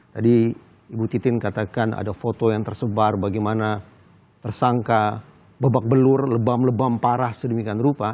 tadi ibu titin katakan ada foto yang tersebar bagaimana tersangka babak belur lebam lebam parah sedemikian rupa